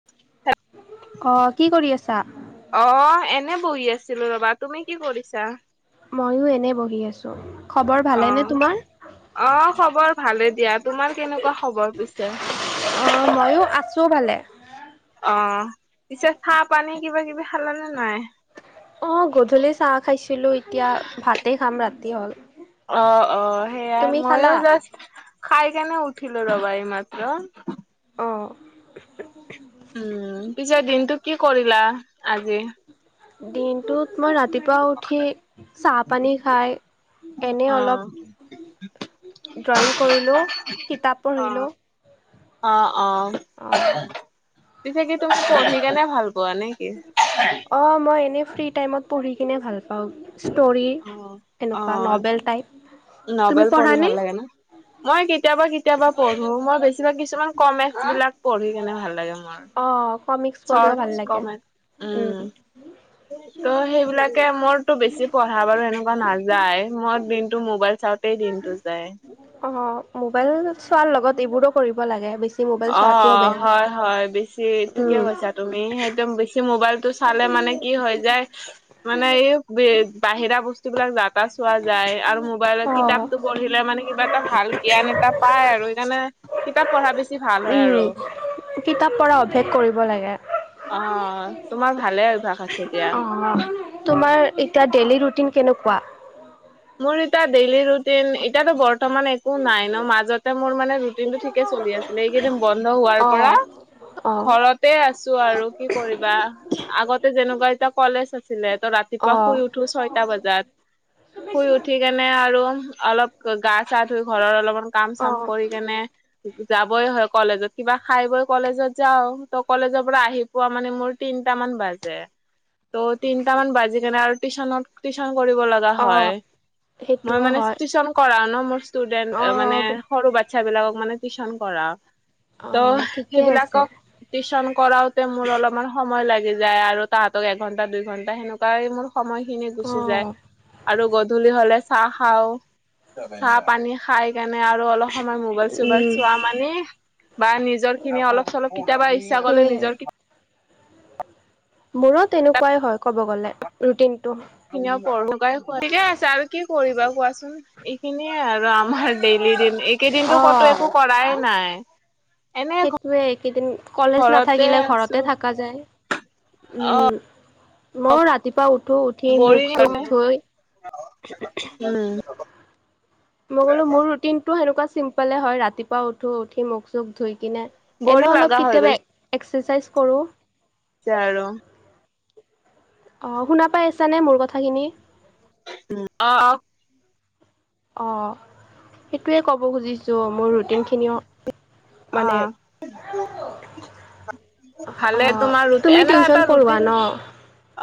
[inaudible] অ, কি কৰি আছা? অ, এনে বহি আছিলো ৰ'বা তুমি কি কৰিছা? মইও এনে বহি আছো। [unintelligible] খবৰ অ ভালেনে তোমাৰ? অ খবৰ ভালে দিয়া তোমাৰ কেনেকুৱা খবৰ পিছে। অ, ময়ো আছো ভালে। অ, পিছে চাহ-পানী কিবা-কিবি খালোনে নাই? অ গধূলি চাহ খাইছিলো এতিয়া ভাতে খাম ৰাতি হ'ল। অ অ সেইয়াই তুমি খালা? ময়ো জাষ্ট খাই কেনে উঠিলো ৰবা এই মাত্ৰ। অ উম পিছে দিনটো কি কৰিলা আজি। দিনটোত মই ৰাতিপুৱা উঠি চাহ, পানী খাই এনে অ', অলপ ড্ৰয়িং কৰিলো কিতাপ অ', পঢ়িলো। অ অ পিছে কি তোমাৰ পঢ়ি কেনে ভাল পোৱা নে। [inaudible] কি? অঁ মই এনেই ফ্ৰী টাইমত পঢ়ি কিনে ভাল পাওঁ। ষ্টৰী অ', এনেকুৱা অ', নভেল টাইপ নভেল তুমি পঢ়ি পঢ়ানে। ভাল লাগে ন? মই কেতিয়াবা কেতিয়াবা পঢ়ো মই বেছিভাগ কিছুমান কমে বিলাক পঢ়ি কেনে ভাল লাগে। মই অ' কমিক্স পঢ়িও চটচ ভাল লাগে। কমেণ্ট উম ত' সেইবিলাকে মোৰতো বেছি পঢ়া বাৰু এনেকুৱা নাযায় মই দিনটো মোবাইল চাৱাতে- গোটেই দিনটো যায়। অ মোবাইল চোৱাৰ লগত এইবোৰো কৰিব লাগে বেছি। মোবাইল অ চোৱাটোও বেয়া। হয় হয়। বেছি ঠিকে উম, কৈছা তুমি একদম বেছি। মোবাইল টো চালে মানে কি হৈ যায় মানে এই বাহিৰা বস্তু- বস্তু বিলাক জাতা চোৱা যায়। আৰু মোবাইলত অ' কিতাপতটো পঢ়িলে মানে কিবা এটা ভাল জ্ঞান, এটা পাই আৰু সেইকাৰণে কিতাপ পঢ়া বেচি উম কিতাপ পৰা অভ্যেষ কৰিব লাগে। অ তোমাৰ ভালে অভ্যাস আছে দিয়া। আৰু তোমাৰ এতিয়া ডেইলি ৰুটিন কেনেকুৱা। মোৰ এতিয়া ডেইলি ৰোড- এতিয়াটো বৰ্তমান। একো নাই ন মাজতে মোৰ মানে ৰুটিনটো ঠিকে চলি আছিলে এইকেইদিন বন্ধ হোৱাৰ পৰা। অহ ঘৰতে আছো আৰু কি কৰিবা। আগতে যেনেকুৱা এতিয়া কলেজ আছিলে ত ৰাতিপুৱা অ' শুই উঠো ছয়টা বজাত শুই উঠি কেনে আৰু অলপ গা চা ধুই ঘৰৰ অলপমান কাম চাম অ' কৰি কেনে যাবই হয় কলেজত কিবা খাই বই কলেজত যাও ত কলেজৰ পৰা আহি পোৱা মানে মোৰ তিনটা মান বাজে ত' তিনটামান বাজি কেনে আৰু টিউচনত টিউচন কৰিব লগা অ' হয় মই সেইটোও মানে হয় টিউচন কৰাও ন মোৰ ষ্টুডেন্ট মানে অ' সৰু বাচ্ছা বিলাকক মানে টিউচন কৰাও ত' অ' ঠিকে আছে সেইবিলাকক টিউচন কৰাওতে মোৰ অলপমান সময় লাগি যায় আৰু তাহাঁতক এঘন্টা দুই ঘন্টা সেনেকুৱাই মোৰ সময় খিনি অ' গুচি যায় উম আৰু গধূলি হলে চাহ খাও চাহ পানী খাই সেইকাৰণে আৰু অলপ সময় মোবাইল চোবাইল চোৱা মানে বা নিজৰ খিনি অলপ চলপ কেতিয়াবা ইচ্ছা কৰিলে সেয়ে নিজৰ মোৰো তেনেকুৱাই হয় ক'ব গ'লে ৰুটিন টো নিজৰখিনিও পঢ়ো ঠিকে আছে আৰু কি কৰিবা কোৱাচোন এইখিনিয়ে আৰু আমাৰ ডেইলি দিন এইকেইদিনতো কতো অ' একো কৰাই নাই এনে সেইটোয়ে এইকেইদিন কলেজ ঘৰতে নাথাকিলে ঘৰতে থকা যায় অ মই ৰাতিপুৱা উঠো উঠি বৰিং মুখ চুখ উম ধুই মই ক'লো মোৰ ৰুটিনটো সেনেকুৱা চিম্পলে হয় ৰাতিপুৱা উঠো উঠি মুখ চুখ ধুই কিনে বৰিং এনেও অলপ লগা হৈ কেতিয়াবা এক্সাৰচাইজ কৰো যাই আৰু অ শুনা পাই আছানে মোৰ কথাখিনি উম অ অ অ সেইটোয়ে ক'ব খুজিছো মোৰ ৰুটিনখিনিও অ মানে [unintelligible] অ ভালে তোমাৰ ৰুট তুমি এনেকা এটা টিউচন পঢ়োৱা ৰুটিন ন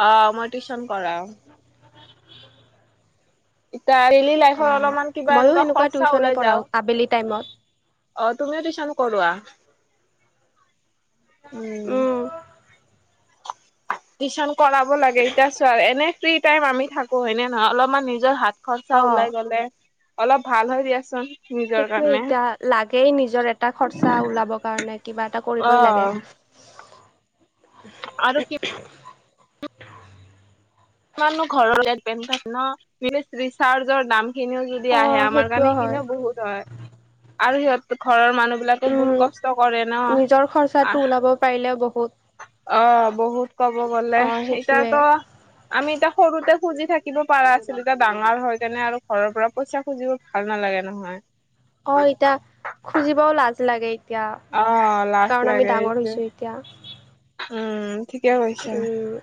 অ মই টিউচন কৰাও এতিয়া ডেইলি অ লাইফৰ অলপমান কিবা ময়ো এনেকুৱা সেনেকুৱা খৰচা টিউচনে ওলাই পঢ়াও যাও আবেলি টাইমত অ তুমিও টিউচন কৰোৱা উম টিউচন কৰাব লাগে এতিয়া চোৱা এনে ফ্ৰী টাইম আমি থাকো এনে নহয় অলপমান নিজৰ হাত অ খৰচা ওলাই গলে অলপ ভাল হৈ দিয়াচোন নিজৰ সেইটোয়ে কাৰণে এতিয়া লাগেই নিজৰ এটা খৰচা ওলাবৰ কাৰণে কিবা এটা অ কৰিবই লাগে আৰু [unintelligible] ইমানো ঘৰৰ বেন চাম ন ৰিচাৰ্জৰ দাম খিনিও যদি যদি আহে অ', আমাৰ সেইটোও কাৰণে হয়। সেইখিনিও বহুত হয় আৰু সিহঁত ঘৰৰ মানুহ বিলাকো উম, বহুত কষ্ট কৰে ন নিজৰ খৰচাটো ওলাব পাৰিলে বহুত আহ অ বহুত কব গলে অ', সেইটোৱে। এতিয়াতো আমি এতিয়া সৰুতে খুজি থাকিব পাৰা আছিলো এতিয়া ডাঙৰ হয় কেনে আৰু ঘৰৰ পৰা পইচা খুজিব ভাল নালাগে নহয় [unintelligible] অ এতিয়া খুজিবও লাজ লাগে এতিয়া অ লাজ কাৰণ আমি লাগে ডাঙৰ এইটো হৈছো এতিয়া উম ঠিকে কৈছা উম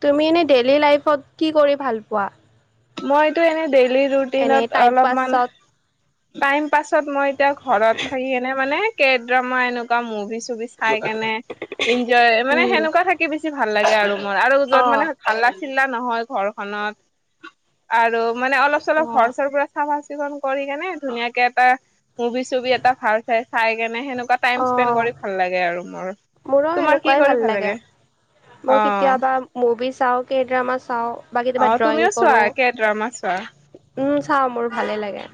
তুমি এনেই ডেইলি লাইফত কি কৰি ভাল পোৱা মইতো এনে ডেইলি এনে ৰুটিনত টাইম অলপমান পাছত টাইম পাছত মই এতিয়া ঘৰত থাকি এনে মানে কেক ড্ৰামা এনেকুৱা মুভি চভি চাই কেনে ইনজয় মানে উম, সেনেকুৱা থাকি বেছি ভাল লাগে আৰু মোৰ আৰু যত মানে অ', হাল্লা চিল্লা নহয় ঘৰখনত আৰু মানে অলপ চলপ অ', ঘৰ চৰ পৰা চাফা চিকুণ কৰি কেনে ধুনীয়াকে এটা মুভি চুভি এটা ভাল চাই চাই কেনে সেনেকুৱা টাইম স্পেড অ', কৰি ভাল লাগে আৰু মোৰ তোমাৰ কি কৰি ভাল লাগে? অ মই কেতিয়াবা মুভি চাও কে ড্ৰামা চাও অ তুমিও চোৱা কেদ্ৰমা চোৱা উম চাও মোৰ ভালে লাগে।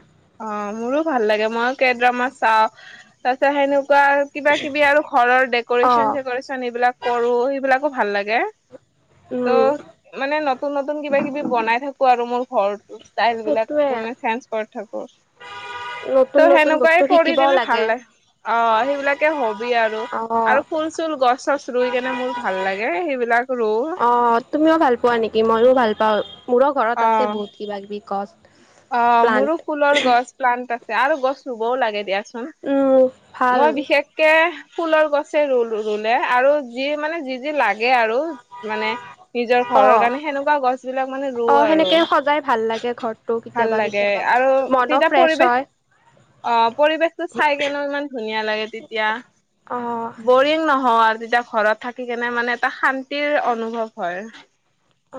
অ মোৰো ভাল লাগে মইও কে ড্ৰামা চাও তাৰ পিছত সেনেকুৱা কিবা কিবি আৰু ঘৰৰ ডেক'ৰেচন অ', চেকৰেচন এইবিলাক কৰো সেইবিলাকো ভাল লাগে। উম, ত' মানে নতুন নতুন কিবা কিবি বনাই থাকো আৰু মোৰ ঘৰত ষ্টাইল বিলাক সেইটোৱে। মানে চেঞ্জ কৰি থাকো। নতুন ত নতুন বস্তু সেনেকুৱাই কৰি শিকিবও কিনে ভাল লাগে অ সেইবিলাকে হবি আৰু অ আৰু ফুল চুল গছ চচ ৰুই কেনে মোৰ ভাল লাগে সেইবিলাক ৰু অ তুমিও ভাল পোৱা নেকি মইও ভাল পাওঁ মোৰো ঘৰত অ আছে বহুত কিবা কিবি গছ। অ মোৰো প্লান্ট ফুলৰ গছ প্লান্ত আছে আৰু গছ ৰুবও লাগে দিয়া। উম ভাল মই বিশেষ কে ফুলৰ গছে ৰুলো ৰুলে আৰু যি মানে যি যি লাগে আৰু মানে নিজৰ অ ঘৰৰ কাৰণে সেনেকুৱা গছ বিলাক মানে অ ৰুও আৰু সেনেকে সজাই ভাল লাগে ঘৰটো ভাল কেতিয়াবা লাগে কেতিয়াবা আৰু মনো তেতিয়া ফ্ৰেছ পৰিৱেশ হয় অ পৰিবেশতটো চাই কেনেও ইমান ধুনীয়া লাগে তেতিয়া - অ বৰিং নহও আৰু তেতিয়া ঘৰত থাকি কেনে মানে এটা শান্তিৰ অনুভৱ হয়।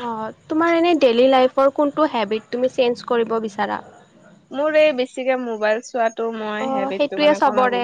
অঁ তোমাৰ এনেই ডেইলী লাইফৰ কোনটো হেবিট তুমি চেঞ্জ কৰিব বিচাৰা? মোৰ এই বেছিকে মোবাইল চোৱাত অ সেইটোয়ে চবৰে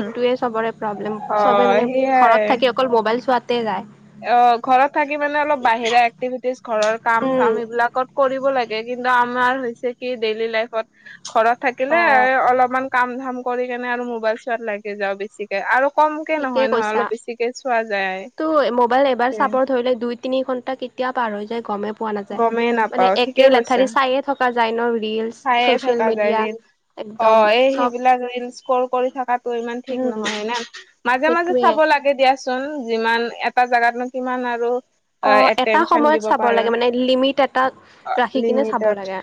এইটোয়ে চবৰে প্ৰব্লেম অ চবে মানে ঘৰত সেইয়াই থাকি অকল মোবাইল চোৱাতে যায় অ ঘৰত থাকি মানে অলপ বাহিৰা এক্টিভিটিজ ঘৰৰ কাম উম চাম এইবিলাকত কৰিব লাগে, কিন্তু আমৰ হৈছে কি ডেইলী লাইফট ঘৰত অ থাকিলে অলপ মান কাম ধাম কৰি কেনে আৰু মোবাইল চোৱাত লাগি যাওঁ বেছিক আৰু কমকে নহয়, নহয় অলপ বেছিকে চোৱা যায়। ত মোবাইল এবাৰ তে চাব ধৰিলে দুই তিনি ঘন্টা কেতিয়া পাৰ হৈ যায় গমে পোৱা নাযায় গমেই মানে নাপাও ঠিকে একে কৈছা লেঠাৰি চাইে থকা যায় ন ৰিল চায়ে থকা যায় ৰিল। অ এই চব সেইবিলাক ৰীলস্কৰ কৰি থকাটো ইমান ঠিক উম নহয় না। মাজে মাজে সেইটোৱে। চাব লাগে দিয়াচোন যিমান এটা জাগাতনো কিমান আৰু অ এটা এটেনচন সময়ত দিব চাব পাৰা লাগে মানে লিমিট এটা ৰাখি কিনে চাব লিমিটত লাগে।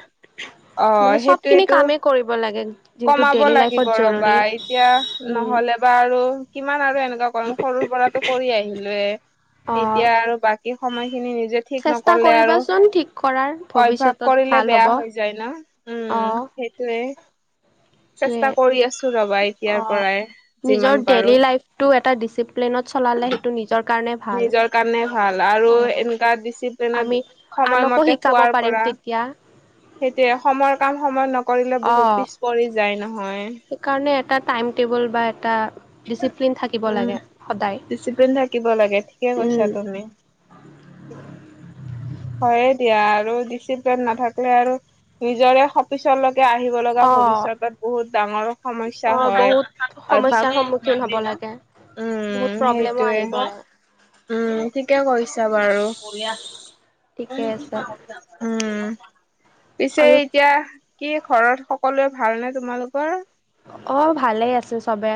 অ মানে চব খিনি সেইটোয়েতো কামেই কৰিব লাগে। যোনটো কমাব ডেইলি লাগিব লাইফত ৰবা জৰুৰী এতিয়া উম। নহ'লে বা আৰু কিমান আৰু এনেকুৱা কৰিম সৰুৰ পৰাতটো কৰি আহিলোয়ে। অ এতিয়া আৰু বাকী সময় খিনি নিজে ঠিক চেষ্টা নকলে আৰু কৰিবাচোন ঠিক কৰাৰ অভ্যাস ভৱিষ্যতত কৰিলে ভাল হ'ব। বেয়া হৈ যায় ন অ উম চেষ্টা সেইটোৱে। কৰি আছো ৰবা এতিয়াৰ পৰাই যিমান পাৰোঁ। টো এটা ডিচিপ্লিনত চলালে সেইটো নিজৰ কাৰণে ভাল। নিজৰ কাৰণে ভাল আৰু অ', এনেকা আমি ডিচিপ্লেনত আনকো সময়মতে শিকাব খোৱাৰ পাৰিম পৰা তেতিয়া - সেইটোয়ে সময়ৰ কাম সময় নকৰিলে বহুত অ'। পিছ পৰি যায় নহয়। সেইকাৰণে এটা টাইম টেবুল বা এটা ডিচিপ্লিন থাকিব উম লাগে সদায়। ডিচিপ্লিন থাকিব লাগে। ঠিকে কৈছা উম, তুমি। হয়ে দিয়া আৰু দিছ। নাথাকে আৰু নিজৰে। পিছলৈকে আহিব লগা অ', ভৱিষ্যতত বহুত ডাঙৰ সমস্যা অ' হয়। বহুত অভ্যাস সমস্যাৰ সন্মুখীন হ'ব লাগে, উম বহুত প্ৰব্লেমো সেইটোৱে আহি পৰে। উম ঠিকে কৰিছা বাৰু। ঠিকে আছে উম, পিছে আৰু এতিয়া। কি ঘৰত সকলোৱে ভালনেে তোমালোকৰ? অ, ভালেই আছে চবে।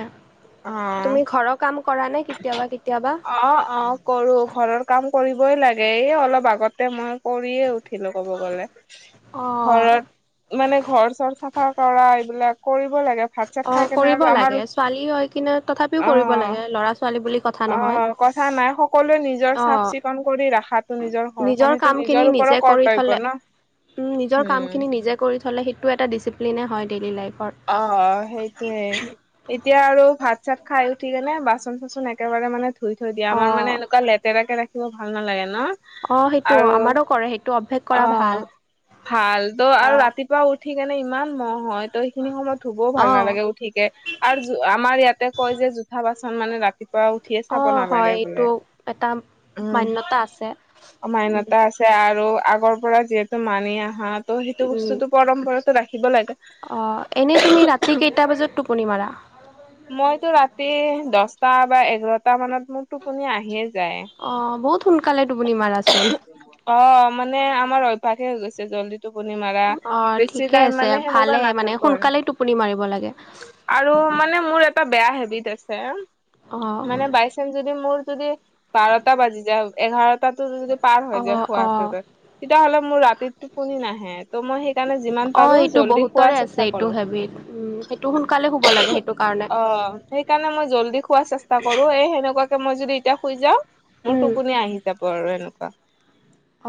অ তুমি ঘৰৰ কাম কৰা নে, কেতিয়াবা, কেতিয়াবা। অ অ কৰো ঘৰৰ কাম কৰিবই লাগে, এই অলপ আগতে মই কৰিয়ে উঠিলো ক'ব গলে। অঁ। ঘৰত মানে ঘৰ চৰ চাফা কৰা এইবিলাক কৰিব লাগে ভ। অ' কৰিব লাগে ছোৱালী হয় কিনে তথাপিও অ কৰিব লাগে ল'ৰা ছোৱালী বুলি। কথা অ, নহয়। কথা নাই সকলোৱে নিজৰ অ চাফ, চিকুণ কৰি ৰাখাত নিজৰ কাম ঘৰখনিতটো খিনি নিজৰ নিজে ওপৰত কৰি থলে কৰ্তব্য ন, উম নিজৰ কাম খিনি উম। নিজে কৰি থ'লে সেইটো এটা ডিচিপ্লিনেই হয় ডেইলী লাইফত। অ', অ', সেইটোয়ে। এতিয়া আৰু ভাত, চাত খাই উঠিকেনে বাচন, চাচন একেবাৰে মানে ধুই থৈ দিয়ে অ আমাৰ মানে এনেকুৱা লেটাৰাকে ৰাখিব ভাল নালাগে, ন। অ সেইটো আৰু আমাৰো কৰে সেইটো অভ্যাস অ, কৰা ভাল। ভাল তো অ আৰু ৰাতিপুৱা উঠি উঠিকনে ইমান মহ হয় তো সেইখিনি সময়ত ধুবও ভাল অ নালাগে উঠিকে। আৰু আমাৰ ইয়াতে কয় যে জোঠা বাচন মানে ৰাতিপুৱা উঠিয়ে অ চাব হয় নালাগে বোলে এইটো এটা মান্যতা আছে। উম উম অমানতা আছে। আৰু আগৰ পৰা যিহেতু মানি আহা ত' সেইটো উম বস্তুতটো পৰম্পৰাতটো ৰাখিব লাগে। অ' এনে তুমি ৰাতি কেইটা বজাত টোপনি মাৰা? মইতো ৰাতি দছটা বা এঘাৰটা মানত মোৰ টোপনি আহিয়ে যায়। অ, বহুত সোনকালে তুপনি মাৰাচোন। অ' মানে আমাৰ অভ্যাসে হৈ গৈছে জল্দি। টোপনি মাৰা অ', বেছি ঠিকে টাইম আছে মানে ভালে সেনেকুৱা মানে নাথাকো আৰু। সোনকালেই টোপনি মাৰিব লাগে। আৰু মানে মোৰ এটা বেয়া হেবিট আছে অ', মানে বাই। যদি মোৰ যদি বাৰটা বাজি যায় এঘাৰটাতো যদি পাৰ হৈ যায় অ', অ', খোৱাাতত। তেতিয়াাহলে মোৰ ৰাতিটো শুনি নাহে ত' মই সেইকাৰণে যিমান পাৰো জল্দি খোৱাৰ চেষ্টা কৰো। বৱট [inaudible] সেইটো সোনকালে শুব লাগে সেইটো কাৰণে। অ' সেইকাৰণে মই জল্দি খোৱাৰ চেষ্টা কৰো এই সেনেকুৱাকে মই যদি এতিয়া শুই যাওঁ। মোৰ উম। টোপোনি আহি যাব আৰু এনেকুৱা।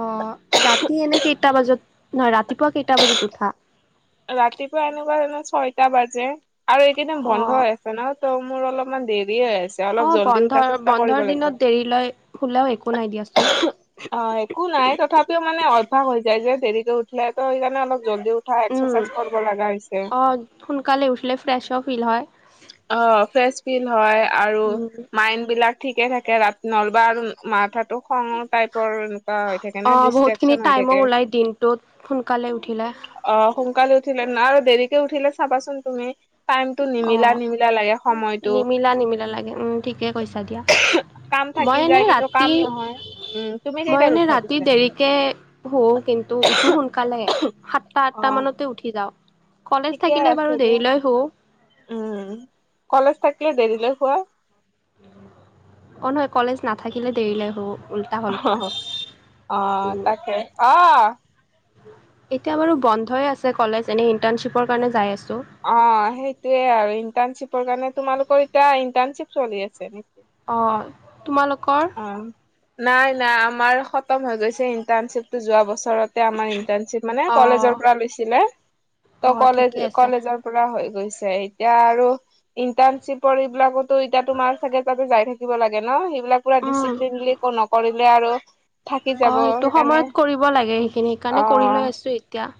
অ' ৰাতি এনে কেইটা বজাত, নহয় ৰাতিপুৱা কেইটা বজাত উঠা? ৰাতিপুৱা এনুৱা যেনে ছয়টা বাজে আৰু এইকেইদিন বন্ধ অ', আছে। আছে নহ, ত' মোৰ অলপমান দেৰিয়ে হয় আছে। অলপ অ, জল্দি উঠাৰ চেষ্টা কৰিব বন্ধৰ-বন্ধৰ লাগিব দিনত দেৰিকৈ শুলেও একো নাই দিয়াচোন। অ, একো নাই তথাপিও মানে অভ্যাস হৈ যায় যে দেৰিকৈ উঠিলে, তো সেইকাৰণে অলপ জল্দি উঠা উম, এক্সাৰচাইজ কৰিব লগা হৈছে। অ', সোনকালে উঠিলে ফ্ৰেছো ফিল হয়। অ ফ্ৰেচ ফিল হয় আৰু উম, মাইণ্ড বিলাক ঠিকে থাকে ৰাতি নলবা আৰু মাথাতো খঙ টাইপৰ এনেকুৱা হয়। অ বহুত খিনি টাইমো ওলাই দিনটোত সোনকালে উঠিলে। অ সোনকালে উঠিলে, আৰু দেৰিকে উঠিলে চাবাচোন তুমি টাইমটো নিমিলাই অ'। নিমিলা নিমিলা লাগে উম ঠিকে কৈছা দিয়া। কাম থাকি মই যায় এনেই কিন্তু ৰাতি, কাম নহয় উম তুমি মই কেইটাত এনেই উঠা ৰাতি পিছে দেৰিকে শু কিন্তু উঠো সোনকালে সাতটা অ আঠটা মানতে উঠি যাওঁ। কলেজ ঠিকে থাকিলে আছে বাৰু দিয়া দেৰিলৈ শু। উম কলেজ থাকিলে দেৰিলে শুৱা? অ নহয় কলেজ নাথাকিলে দেৰিলে শু। হ'ল কোৱা। [inaudible] অ তাকে অ। এতিয়া বাৰু বন্ধই আছে কলেজ, এনেই ইণ্টাৰ্ণশ্বিপৰ কাৰণে যাই আছোঁ। অ সেইটোৱে আৰু ইণ্টাৰণশ্বিপৰ কাৰণে, তোমালোকৰ এতিয়া ইণ্টাৰ্ণশ্বিপ চলি আছে নেকি? অ, তোমালোক অ নাই নাই আমাৰ খতম হৈ গৈছে ইণ্টাৰ্ণশ্বিপটো যোৱা বছৰত। আমাৰ ইন্টাৰ্ণশ্বিপ মানে অ কলেজৰ পৰা লৈছিলে অ ত' কলেজ ঠিকে আছে কলেজৰ পুৰা হৈ গৈছে এতিয়া আৰু ইণ্টাৰ্ণশ্বিপৰ এইবিলাকতো এতিয়া তোমাৰ চাগে তাতে যাই থাকিব লাগে ন? সেইবিলাক পুৰা উম। ডিচিপ্লিনলী একো নকৰিলে আৰু থাকি যাব অঁ সেইটো সেইকাৰণে সময়ত কৰিব লাগে সেইখিনি অ সেইকাৰণে কৰি লৈ আছোঁ এতিয়া।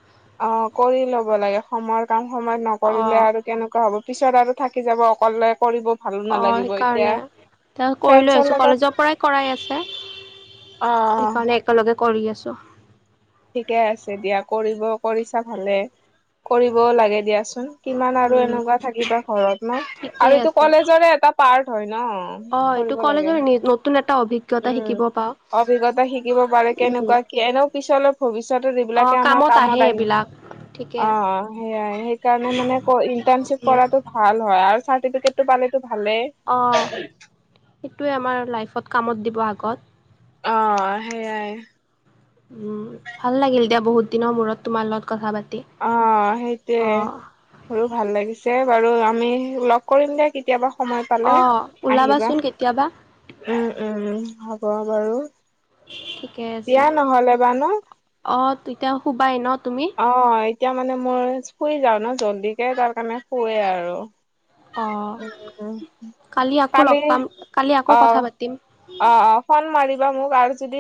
অ কৰি ল'ব লাগে সময়ৰ কাম সময়ত নকৰিলে অ। আৰু কেনেকুৱা হ'ব, পিছত আৰু থাকি যাব অকলে কৰিব ভালো অ', নালাগিব এতিয়া সেইকাৰণে। তেওঁ কৰি লৈ ফ্ৰেণ্ডছৰ আছোঁ, কলেজৰ লগত পৰাই কৰাই আছে, অ। সেইকাৰণে একেলগে কৰি আছোঁ। ঠিকে আছে দিয়া, কৰিব কৰিছা ভালে কৰিবও লাগে দিয়াচোন। কিমান আৰু উম, এনেকুৱা থাকিবা ঘৰত ন, আৰু ঠিকেই এইটো আছে। কলেজৰে এটা পাৰ্ট হয়, ন। অ', এইটো কৰিব লাগে কলেজৰ নতুন এটা অভিজ্ঞতা উম, শিকিব পাওঁ। অভিজ্ঞতা শিকিব পাৰে উম, কেনকুৱা এনেও পিছলৈ ভৱিষ্যতত অ', এইবিলাকে আমাৰ আহে কামত আহিব। এইবিলাক, ঠিকে। অ, সেইয়াই সেইকাৰণে মানে ক, ইণ্টাৰ্ণশ্বিপ উম, কৰাটো ভাল হয় আৰু চাৰ্টিফিকেটটো পালেটো ভালেই। অঁ সেইটোৱে আমাৰ লাইফত কামত দিব আগত। অ, সেয়াই। উম ভাল লাগিল দিয়া, বহুত দিনৰ মূৰত তোমাৰ লগত কথা পাতি। অ, সেইটোৱে। অ', মোৰো, ভাল লাগিছে বাৰু আমি লগ কৰিম দিয়া কেতিয়াবা। সময় পালে অ', আহিবা, ওলাবাচোন কেতিয়াবা, উম উম উম হ'ব বাৰু। ঠিকে আছে, দিয়া নহ'লে বা ন অ', তেতিয়া শুবাই ন' তুমি? অ', এতিয়া মানে মই, শুই যাওঁ ন' জল্দিকে, তাৰ কাৰণে শুৱে আৰু। অ'। [inaudible] আকৌ কালি, লগ পাম কালি আকৌ আহ কথা পাতিম। অ অ ফন মাৰিবা মোক আৰু যদি